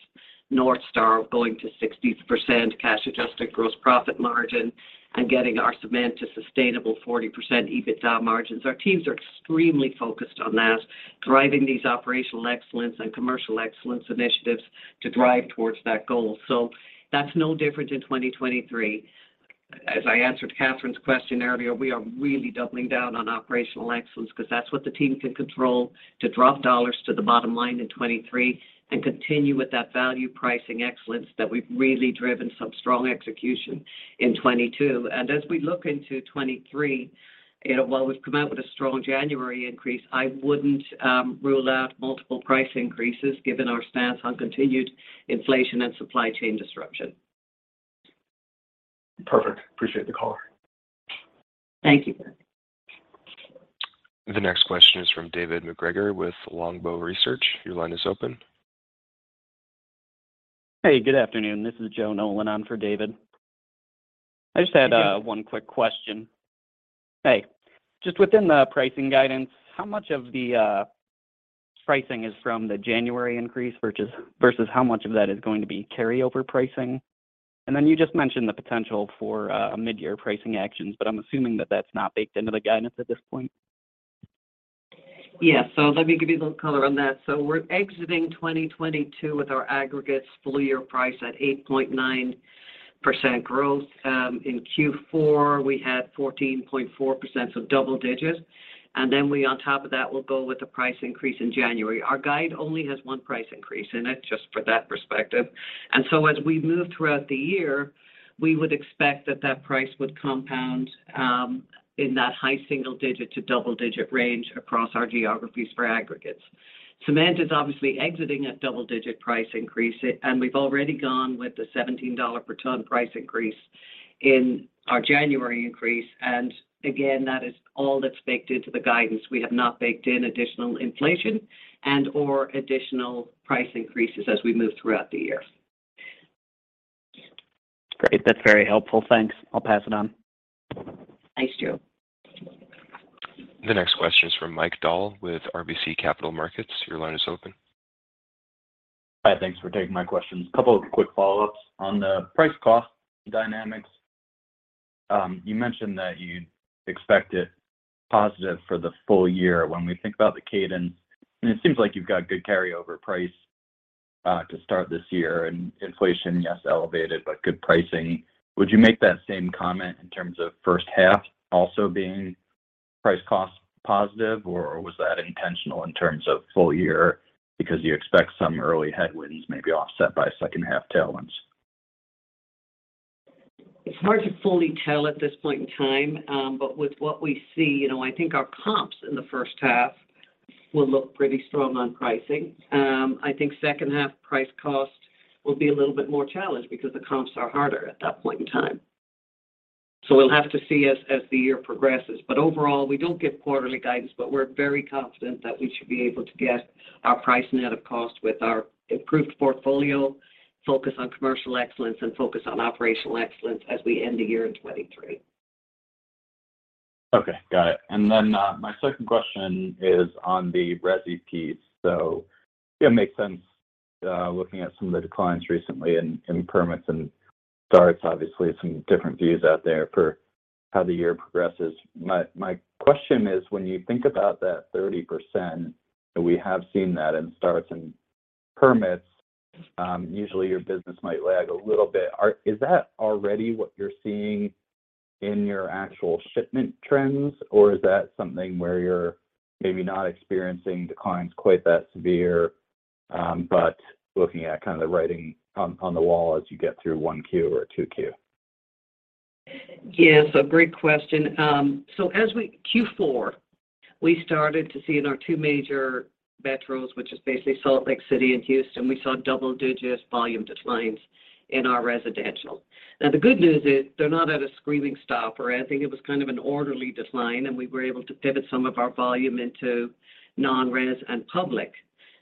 North Star going to 60% cash-adjusted gross profit margin and getting our cement to sustainable 40% EBITDA margins. Our teams are extremely focused on that, driving these operational excellence and commercial excellence initiatives to drive towards that goal. That's no different in 2023. As I answered Kathryn's question earlier, we are really doubling down on operational excellence because that's what the team can control to drop dollars to the bottom line in 2023 and continue with that value pricing excellence that we've really driven some strong execution in 2022. As we look into 2023, you know, while we've come out with a strong January increase, I wouldn't rule out multiple price increases given our stance on continued inflation and supply chain disruption. Perfect. Appreciate the call. Thank you. The next question is from David MacGregor with Longbow Research. Your line is open. Hey, good afternoon. This is Joe Nolan. I'm for David. I just had one quick question. Hey, just within the pricing guidance, how much of the pricing is from the January increase versus how much of that is going to be carryover pricing? Then you just mentioned the potential for midyear pricing actions, but I'm assuming that that's not baked into the guidance at this point. Yeah. Let me give you a little color on that. We're exiting 2022 with our aggregates full year price at 8.9% growth. In Q4, we had 14.4%, so double digits. We on top of that will go with the price increase in January. Our guide only has one price increase in it, just for that perspective. As we move throughout the year, we would expect that that price would compound in that high single-digit to double-digit range across our geographies for aggregates. Cement is obviously exiting at double-digit price increase, and we've already gone with the $17 per ton price increase in our January increase. Again, that is all that's baked into the guidance. We have not baked in additional inflation and/or additional price increases as we move throughout the year. Great. That's very helpful. Thanks. I'll pass it on. Thanks, Joe. The next question is from Mike Dahl with RBC Capital Markets. Your line is open. Hi, thanks for taking my questions. Couple of quick follow-ups. On the price cost dynamics, you mentioned that you expect it positive for the full year. When we think about the cadence, and it seems like you've got good carryover price, to start this year, and inflation, yes, elevated, but good pricing. Would you make that same comment in terms of first half also being price cost positive, or was that intentional in terms of full year because you expect some early headwinds maybe offset by second half tailwinds? It's hard to fully tell at this point in time, but with what we see, you know, I think our comps in the first half will look pretty strong on pricing. I think second half price cost will be a little bit more challenged because the comps are harder at that point in time. We'll have to see as the year progresses. Overall, we don't give quarterly guidance, but we're very confident that we should be able to get our price net of cost with our improved portfolio, focus on commercial excellence and focus on operational excellence as we end the year in 2023. Okay. Got it. My second question is on the resi piece. It makes sense, looking at some of the declines recently in permits and starts, obviously some different views out there for how the year progresses. My question is, when you think about that 30%, and we have seen that in starts and permits, usually your business might lag a little bit. Is that already what you're seeing in your actual shipment trends, or is that something where you're maybe not experiencing declines quite that severe, but looking at kind of the writing on the wall as you get through 1Q or 2Q? Yes, a great question. As we Q4, we started to see in our two major metros, which is basically Salt Lake City and Houston, we saw double-digit volume declines in our residential. The good news is they're not at a screaming stop or anything. It was kind of an orderly decline, and we were able to pivot some of our volume into non-res and public.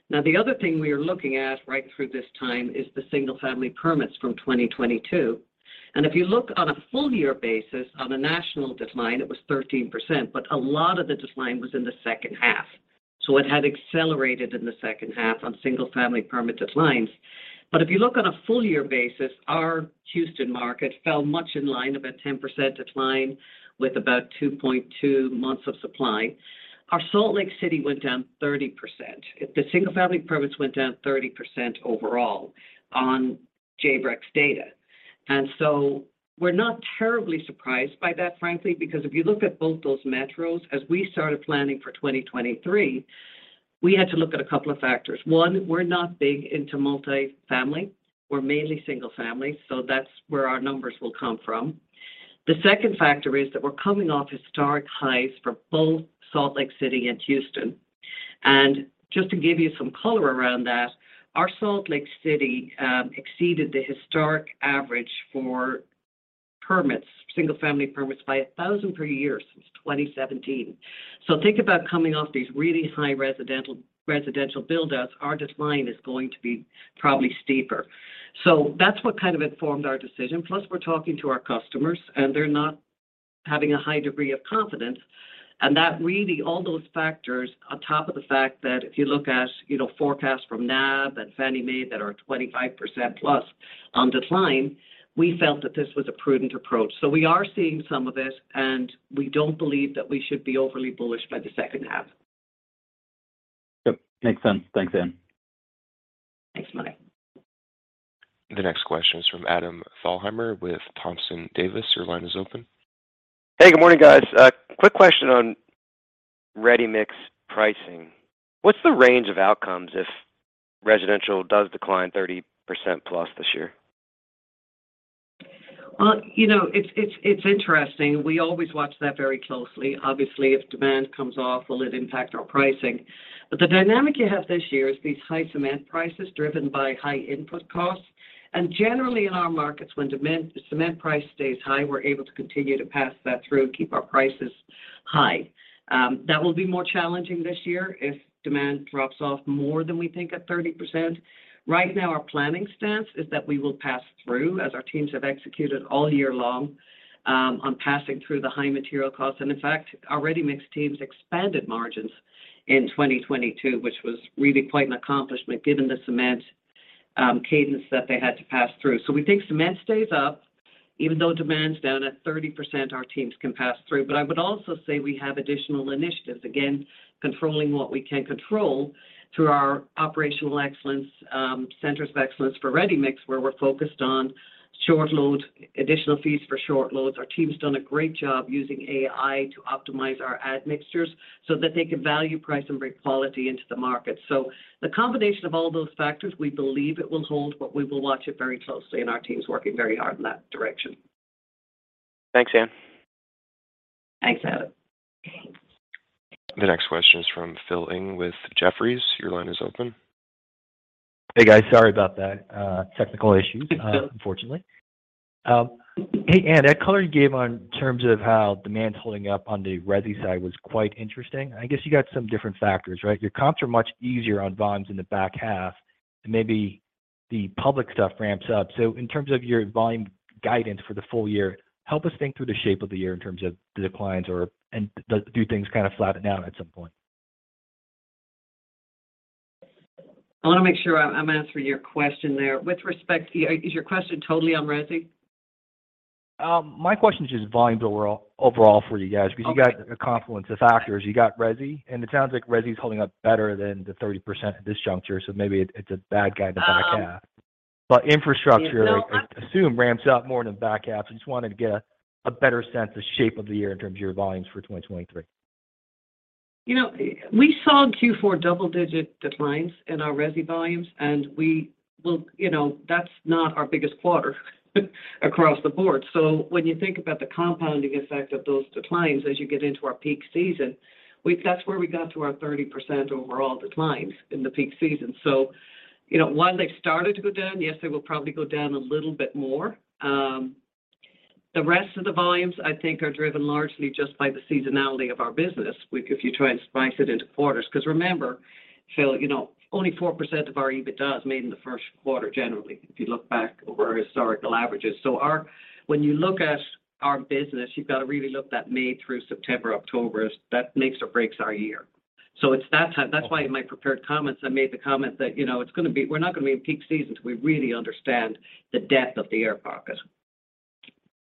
The other thing we are looking at right through this time is the single family permits from 2022. If you look on a full year basis, on a national decline, it was 13%, but a lot of the decline was in the second half. It had accelerated in the second half on single family permit declines. If you look on a full year basis, our Houston market fell much in line, about 10% decline with about 2.2 months of supply. Our Salt Lake City went down 30%. The single family permits went down 30% overall on JREX data. We're not terribly surprised by that, frankly, because if you look at both those metros, as we started planning for 2023, we had to look at a couple of factors. One, we're not big into multi-family. We're mainly single family, so that's where our numbers will come from. The second factor is that we're coming off historic highs for both Salt Lake City and Houston. Just to give you some color around that, our Salt Lake City exceeded the historic average for permits, single family permits, by 1,000 per year since 2017. Think about coming off these really high residential build outs, our decline is going to be probably steeper. That's what kind of informed our decision. Plus, we're talking to our customers, and they're not having a high degree of confidence. That really, all those factors on top of the fact that if you look at, you know, forecasts from NAHB and Fannie Mae that are 25% plus on decline, we felt that this was a prudent approach. We are seeing some of this, and we don't believe that we should be overly bullish by the second half. Yep. Makes sense. Thanks, Anne. Thanks, Mike. The next question is from Adam Thalhimer with Thompson Davis. Your line is open. Hey, good morning, guys. A quick question on ready-mix pricing. What's the range of outcomes if residential does decline 30%+ this year? Well, you know, it's interesting. We always watch that very closely. Obviously, if demand comes off, will it impact our pricing? The dynamic you have this year is these high cement prices driven by high input costs. Generally in our markets, when cement price stays high, we're able to continue to pass that through and keep our prices high. That will be more challenging this year if demand drops off more than we think at 30%. Right now, our planning stance is that we will pass through as our teams have executed all year long on passing through the high material costs. In fact, our ready mix teams expanded margins in 2022, which was really quite an accomplishment given the cement cadence that they had to pass through. We think cement stays up. Even though demand's down at 30%, our teams can pass through. I would also say we have additional initiatives, again, controlling what we can control through our operational excellence, centers of excellence for ready-mix, where we're focused on short load, additional fees for short loads. Our team's done a great job using AI to optimize our admixtures so that they can value, price, and bring quality into the market. The combination of all those factors, we believe it will hold, but we will watch it very closely, and our team's working very hard in that direction. Thanks, Anne. Thanks, Adam. The next question is from Philip Ng with Jefferies. Your line is open. Hey, guys. Sorry about that. Technical issue. It's okay. Unfortunately. Hey, Anne, that color you gave on terms of how demand's holding up on the resi side was quite interesting. I guess you got some different factors, right? Your comps are much easier on bonds in the back half and maybe The public stuff ramps up. So in terms of your volume guidance for the full year, help us think through the shape of the year in terms of the declines or? Do things kind of flatten out at some point? I want to make sure I'm answering your question there. Is your question totally on resi? My question is just volume overall for you guys? Okay. You got a confluence of factors. You got resi, and it sounds like resi is holding up better than the 30% at this juncture, so maybe it's a bad guide to the back half. Um- But infrastructure- You know- I assume ramps up more in the back half. Just wanted to get a better sense of shape of the year in terms of your volumes for 2023. You know, we saw in Q4 double-digit declines in our resi volumes. You know, that's not our biggest quarter across the board. When you think about the compounding effect of those declines as you get into our peak season, that's where we got to our 30% overall declines in the peak season. You know, while they've started to go down, yes, they will probably go down a little bit more. The rest of the volumes I think are driven largely just by the seasonality of our business. If you try and slice it into quarters. 'Cause remember, Phil, you know, only 4% of our EBITDA is made in the first quarter generally, if you look back over historical averages. When you look at our business, you've got to really look that May through September, October. That makes or breaks our year. It's that time. That's why in my prepared comments, I made the comment that, you know, we're not going to be in peak season till we really understand the depth of the air pocket.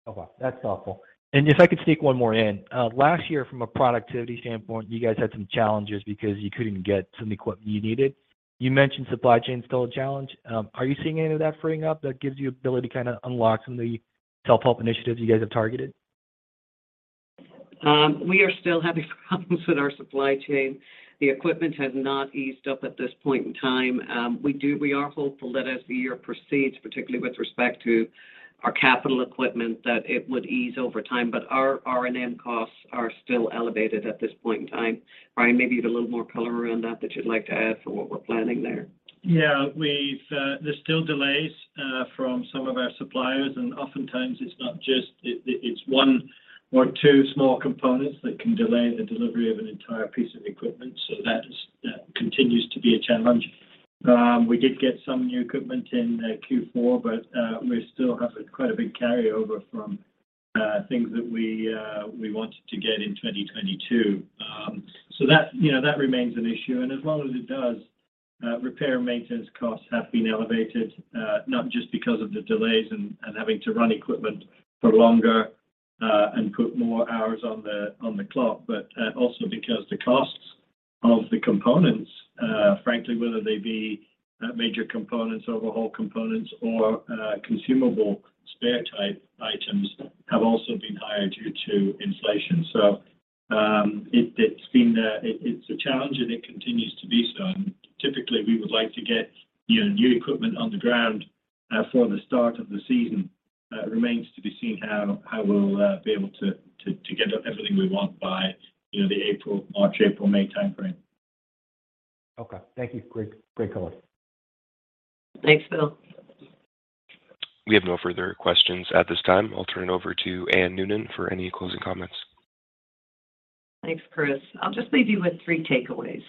Okay. That's helpful. If I could sneak one more in. Last year from a productivity standpoint, you guys had some challenges because you couldn't get some of the equipment you needed. You mentioned supply chain is still a challenge. Are you seeing any of that freeing up that gives you ability to kind of unlock some of the self-help initiatives you guys have targeted? We are still having problems with our supply chain. The equipment has not eased up at this point in time. We are hopeful that as the year proceeds, particularly with respect to our capital equipment, that it would ease over time. Our R&M costs are still elevated at this point in time. Brian, maybe you have a little more color around that that you'd like to add for what we're planning there. Yeah. There's still delays from some of our suppliers, and oftentimes it's not just... It's one or two small components that can delay the delivery of an entire piece of equipment. That continues to be a challenge. We did get some new equipment in Q4, we still have quite a big carryover from things that we wanted to get in 2022. That, you know, that remains an issue. As long as it does, R&M costs have been elevated, not just because of the delays and having to run equipment for longer, and put more hours on the clock, but also because the costs of the components, frankly, whether they be major components, overhaul components or consumable spare type items, have also been higher due to inflation. It's a challenge, and it continues to be so. Typically we would like to get, you know, new equipment on the ground for the start of the season. It remains to be seen how we'll be able to get up everything we want by, you know, the March, April, May timeframe. Okay. Thank you. Great, great color. Thanks, Phil. We have no further questions at this time. I'll turn it over to Anne Noonan for any closing comments. Thanks, Chris. I'll just leave you with three takeaways.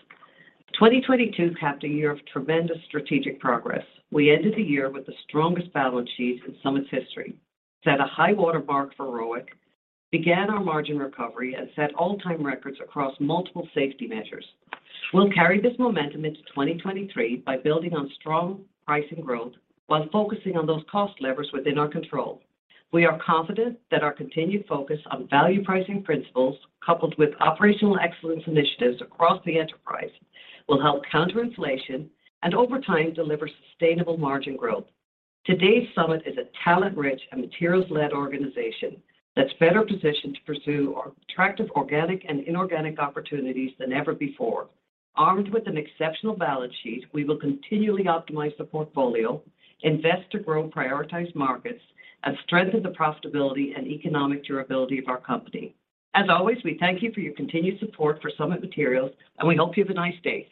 2022 capped a year of tremendous strategic progress. We ended the year with the strongest balance sheet in Summit's history, set a high water mark for ROIC, began our margin recovery, and set all-time records across multiple safety measures. We'll carry this momentum into 2023 by building on strong pricing growth while focusing on those cost levers within our control. We are confident that our continued focus on value pricing principles, coupled with operational excellence initiatives across the enterprise, will help counter inflation, and over time, deliver sustainable margin growth. Today's Summit is a talent-rich and materials-led organization that's better positioned to pursue our attractive organic and inorganic opportunities than ever before. Armed with an exceptional balance sheet, we will continually optimize the portfolio, invest to grow prioritized markets, and strengthen the profitability and economic durability of our company. As always, we thank you for your continued support for Summit Materials, and we hope you have a nice day.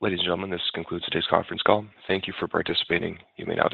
Ladies and gentlemen, this concludes today's conference call. Thank you for participating. You may now.